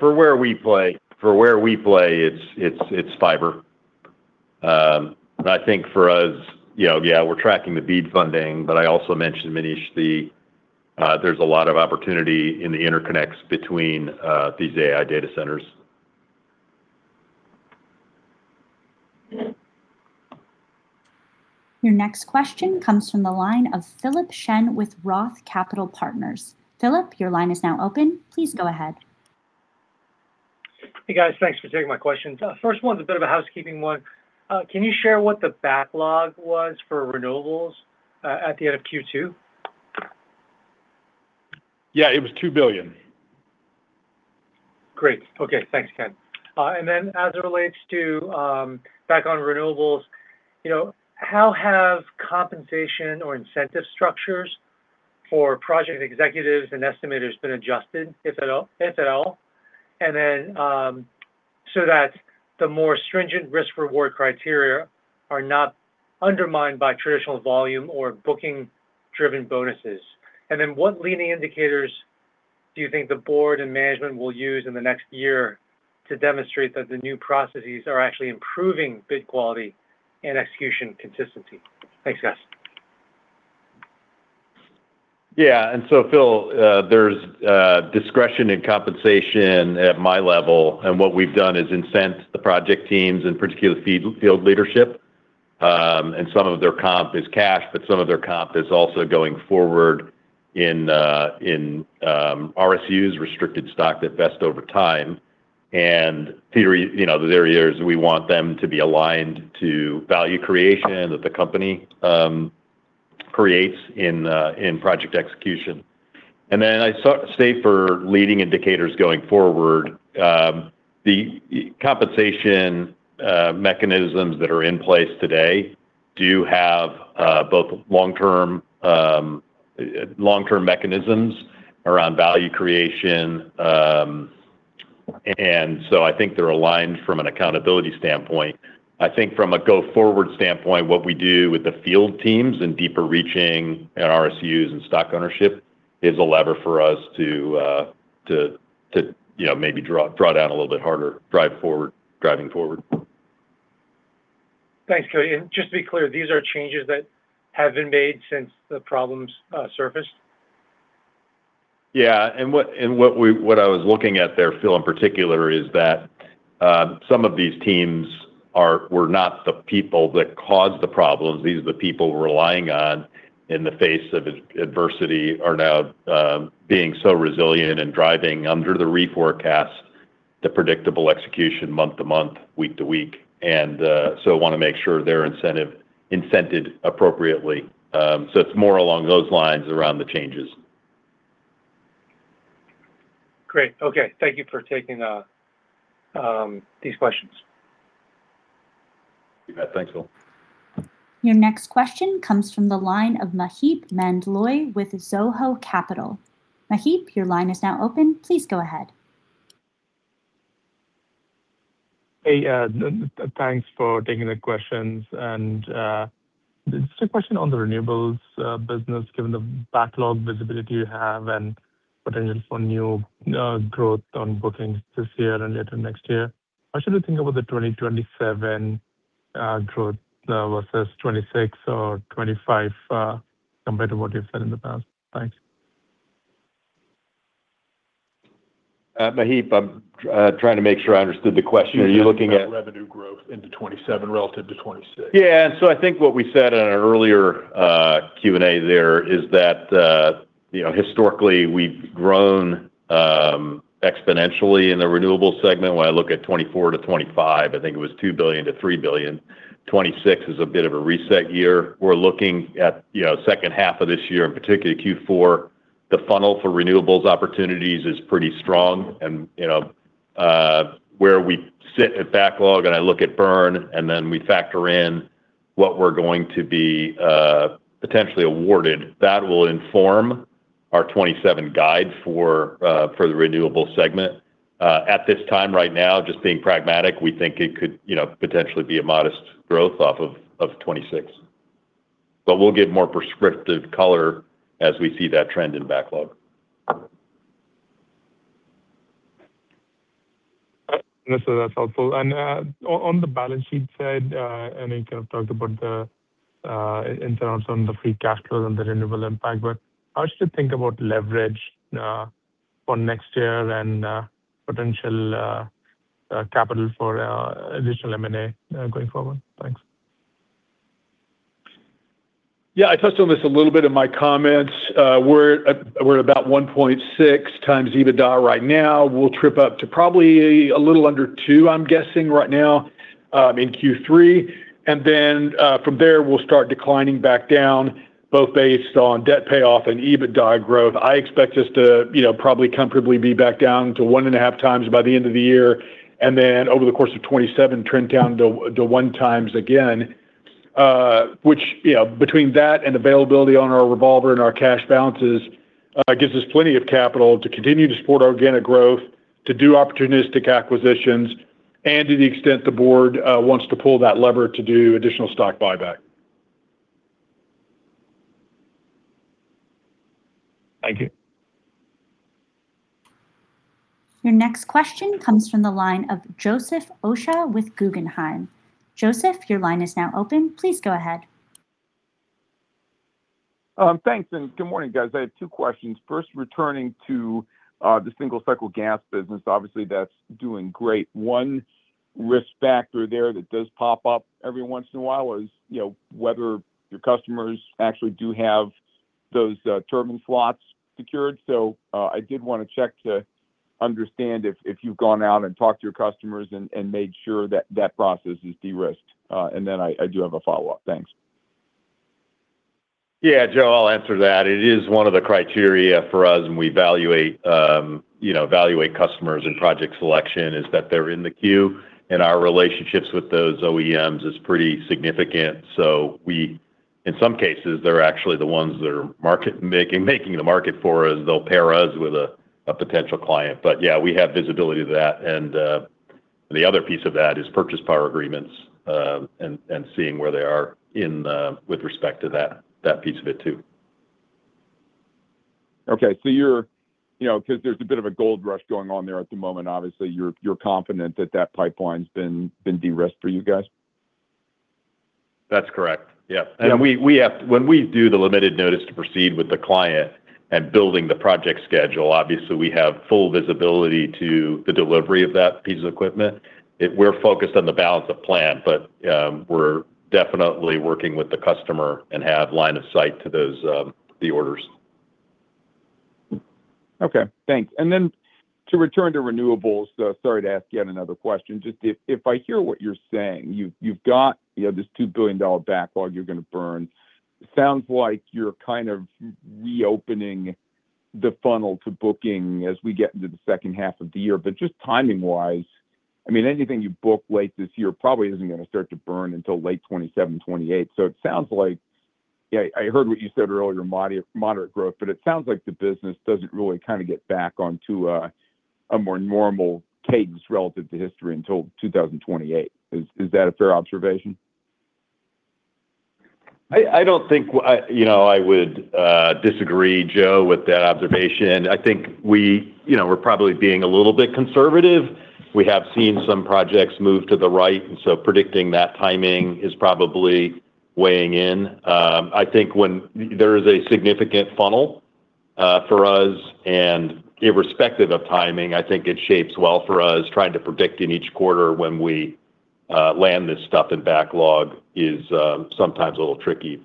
For where we play, it's fiber. We're tracking the BEAD funding, I also mentioned, Manish, there's a lot of opportunity in the interconnects between these AI data centers. Your next question comes from the line of Philip Shen with ROTH Capital Partners. Philip, your line is now open. Please go ahead. Hey, guys. Thanks for taking my questions. First one's a bit of a housekeeping one. Can you share what the backlog was for renewables, at the end of Q2? Yeah, it was $2 billion. Great. Okay. Thanks, Ken. As it relates to back on renewables, how have compensation or incentive structures for project executives and estimators been adjusted, if at all? So that the more stringent risk-reward criteria are not undermined by traditional volume or booking-driven bonuses. What leading indicators do you think the board and management will use in the next year to demonstrate that the new processes are actually improving bid quality and execution consistency? Thanks, guys. Yeah. Phil, there's discretion in compensation at my level, and what we've done is incent the project teams, in particular field leadership. Some of their comp is cash, but some of their comp is also going forward in RSUs, restricted stock that vests over time. The theory is we want them to be aligned to value creation that the company creates in project execution. I'd say for leading indicators going forward, the compensation mechanisms that are in place today do have both long-term mechanisms around value creation, I think they're aligned from an accountability standpoint. I think from a go-forward standpoint, what we do with the field teams in deeper reaching in RSUs and stock ownership is a lever for us to maybe draw down a little bit harder driving forward. Thanks, Koti. Just to be clear, these are changes that have been made since the problems surfaced? Yeah. What I was looking at there, Phil, in particular, is that some of these teams were not the people that caused the problems. These are the people we're relying on in the face of adversity, are now being so resilient and driving under the reforecast, the predictable execution month to month, week to week. Want to make sure they're incented appropriately. It's more along those lines around the changes. Great. Okay. Thank you for taking these questions. You bet. Thanks, Phil. Your next question comes from the line of Maheep Mandloi with Mizuho Securities. Maheep, your line is now open. Please go ahead. Hey, thanks for taking the questions. Just a question on the renewables business, given the backlog visibility you have and potential for new growth on bookings this year and later next year. How should I think about the 2027 growth versus 2026 or 2025, compared to what you've said in the past? Thanks. Maheep, I'm trying to make sure I understood the question. Are you looking at revenue growth into 2027 relative to 2026? I think what we said in our earlier Q&A there is that historically we've grown exponentially in the renewables segment. When I look at 2024 to 2025, I think it was $2 billion-$3 billion. 2026 is a bit of a reset year. We're looking at H2 of this year, in particular Q4. The funnel for renewables opportunities is pretty strong and where we sit at backlog and I look at burn, then we factor in what we're going to be potentially awarded, that will inform our 2027 guide for the renewable segment. At this time, right now, just being pragmatic, we think it could potentially be a modest growth off of 2026. We'll give more prescriptive color as we see that trend in backlog. No, sir, that's helpful. On the balance sheet side, we kind of talked about the internals on the free cash flow and the renewable impact, how should we think about leverage for next year and potential capital for additional M&A going forward? Thanks. I touched on this a little bit in my comments. We're about 1.6x EBITDA right now. We'll trip up to probably a little under two, I'm guessing right now, in Q3. From there, we'll start declining back down, both based on debt payoff and EBITDA growth. I expect us to probably comfortably be back down to 1.5x by the end of the year. Over the course of 2027, trend down to 1x again. Which between that and availability on our revolver and our cash balances, gives us plenty of capital to continue to support organic growth, to do opportunistic acquisitions, and to the extent the board wants to pull that lever to do additional stock buyback. Thank you. Your next question comes from the line of Joseph Osha with Guggenheim. Joseph, your line is now open. Please go ahead. Thanks. Good morning, guys. I have two questions. First, returning to the single-cycle gas business. Obviously, that's doing great. One risk factor there that does pop up every once in a while is whether your customers actually do have those turbine slots secured. I did want to check to understand if you've gone out and talked to your customers and made sure that that process is de-risked. I do have a follow-up. Thanks. Yeah, Joe, I'll answer that. It is one of the criteria for us. We evaluate customers and project selection is that they're in the queue. Our relationships with those OEMs is pretty significant. In some cases, they're actually the ones that are making the market for us. They'll pair us with a potential client. Yeah, we have visibility of that, and the other piece of that is purchase power agreements, and seeing where they are with respect to that piece of it too. Okay. Because there's a bit of a gold rush going on there at the moment, obviously, you're confident that that pipeline's been de-risked for you guys? That's correct. Yes. Okay. When we do the limited notice to proceed with the client and building the project schedule, obviously, we have full visibility to the delivery of that piece of equipment. We're focused on the balance of plant, but we're definitely working with the customer and have line of sight to the orders. Okay, thanks. Then to return to renewables, sorry to ask yet another question. Just if I hear what you're saying, you've got this $2 billion backlog you're going to burn. It sounds like you're kind of reopening the funnel to booking as we get into the H2 of the year. Just timing-wise, anything you book late this year probably isn't going to start to burn until late 2027, 2028. It sounds like, I heard what you said earlier, moderate growth, but it sounds like the business doesn't really kind of get back onto a more normal cadence relative to history until 2028. Is that a fair observation? I would disagree, Joe, with that observation. I think we're probably being a little bit conservative. We have seen some projects move to the right, so predicting that timing is probably weighing in. I think when there is a significant funnel for us and irrespective of timing, I think it shapes well for us. Trying to predict in each quarter when we land this stuff in backlog is sometimes a little tricky.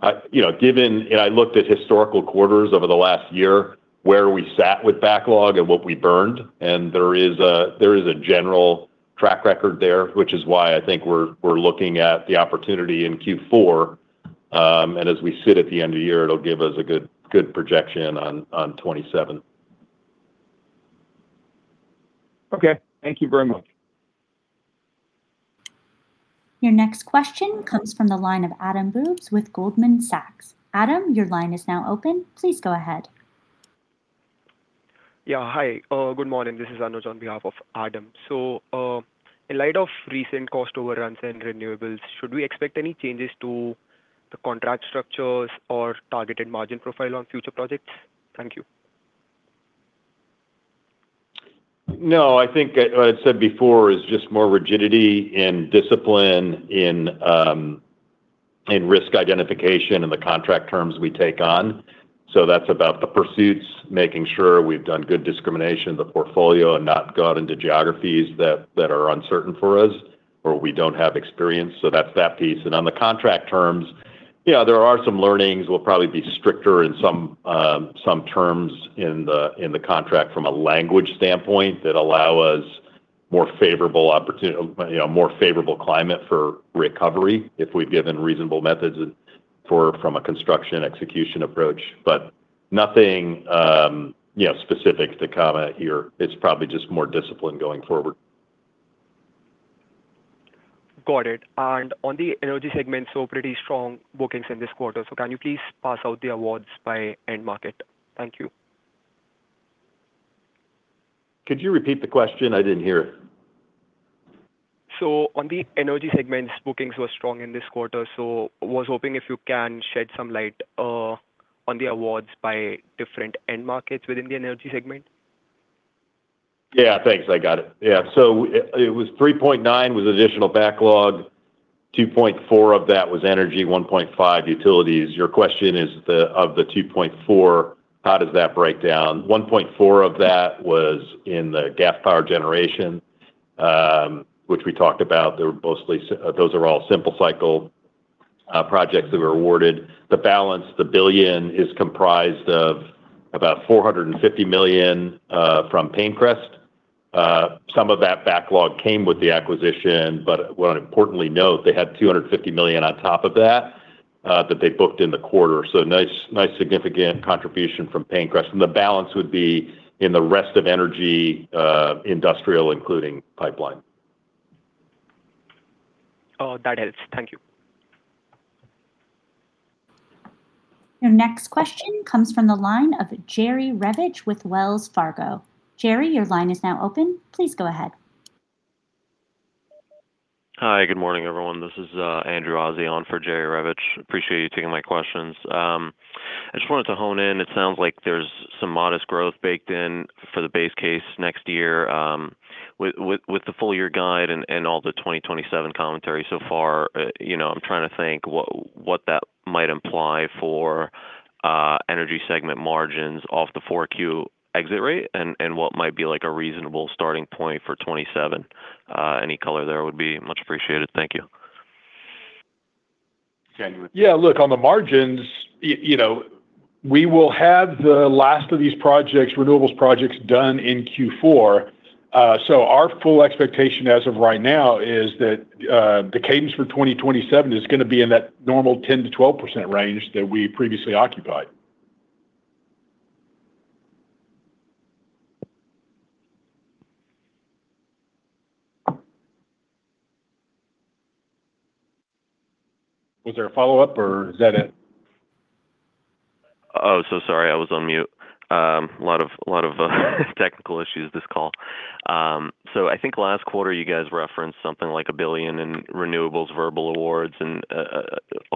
I looked at historical quarters over the last year, where we sat with backlog and what we burned, and there is a general track record there, which is why I think we're looking at the opportunity in Q4. As we sit at the end of the year, it'll give us a good projection on 2027. Okay. Thank you very much. Your next question comes from the line of Adam Bubes with Goldman Sachs. Adam, your line is now open. Please go ahead. Yeah. Hi. Good morning. This is Anuj on behalf of Adam. In light of recent cost overruns and renewables, should we expect any changes to the contract structures or targeted margin profile on future projects? Thank you. No, I think what I said before is just more rigidity and discipline in risk identification and the contract terms we take on. That's about the pursuits, making sure we've done good discrimination in the portfolio and not gone into geographies that are uncertain for us, or we don't have experience. That's that piece. On the contract terms, there are some learnings. We'll probably be stricter in some terms in the contract from a language standpoint that allow us a more favorable climate for recovery if we've given reasonable methods from a construction execution approach. Nothing specific to comment here. It's probably just more discipline going forward. Got it. On the energy segment, pretty strong bookings in this quarter. Can you please parse out the awards by end market? Thank you. Could you repeat the question? I didn't hear it. On the energy segment, bookings were strong in this quarter. Was hoping if you can shed some light on the awards by different end markets within the energy segment. Thanks. I got it. It was $3.9 billion was additional backlog, $2.4 billion of that was energy, $1.5 billion utilities. Your question is of the $2.4 billion, how does that break down? $1.4 billion of that was in the gas power generation, which we talked about. Those are all simple cycle projects that were awarded. The balance, the $1 billion is comprised of about $450 million from PayneCrest. Some of that backlog came with the acquisition, but what I'd importantly note, they had $250 million on top of that they booked in the quarter. Nice significant contribution from PayneCrest. The balance would be in the rest of energy industrial, including pipeline. Oh, that helps. Thank you. Your next question comes from the line of Jerry Revich with Wells Fargo. Jerry, your line is now open. Please go ahead. Hi. Good morning, everyone. This is Andrew Azzi on for Jerry Revich. Appreciate you taking my questions. I just wanted to hone in. It sounds like there's some modest growth baked in for the base case next year. With the full year guide and all the 2027 commentary so far, I'm trying to think what that might imply for energy segment margins off the 4Q exit rate and what might be a reasonable starting point for 2027. Any color there would be much appreciated. Thank you. Yeah. Look, on the margins we will have the last of these renewables projects done in Q4. Our full expectation as of right now is that the cadence for 2027 is going to be in that normal 10%-12% range that we previously occupied. Was there a follow-up or is that it? Oh, so sorry. I was on mute. A lot of technical issues this call. I think last quarter you guys referenced something like $1 billion in renewables verbal awards and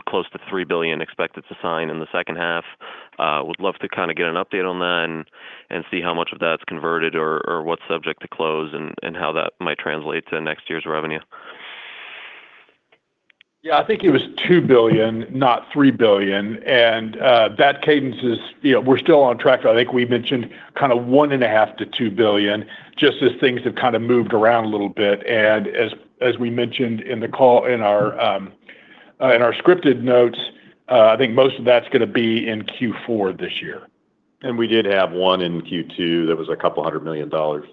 close to $3 billion expected to sign in the H2 Would love to kind of get an update on that and see how much of that's converted or what's subject to close and how that might translate to next year's revenue. Yeah, I think it was $2 billion, not $3 billion. That cadence is, we're still on track for, I think we mentioned, kind of one and a half to $2 billion, just as things have kind of moved around a little bit. As we mentioned in our scripted notes, I think most of that's going to be in Q4 this year. We did have one in Q2 that was a couple hundred million dollars.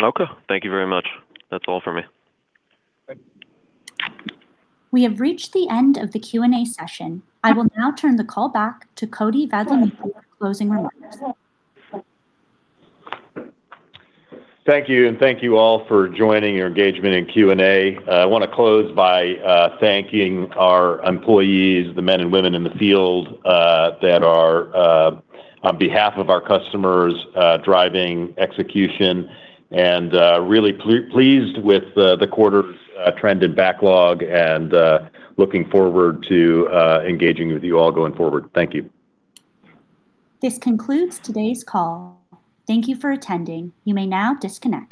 Okay. Thank you very much. That is all for me. Okay. We have reached the end of the Q&A session. I will now turn the call back to Koti Vadlamudi for closing remarks. Thank you, and thank you all for joining and your engagement in Q&A. I want to close by thanking our employees, the men and women in the field that are, on behalf of our customers, driving execution. Really pleased with the quarter's trend and backlog and looking forward to engaging with you all going forward. Thank you. This concludes today's call. Thank you for attending. You may now disconnect.